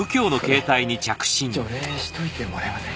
それ除霊しといてもらえません？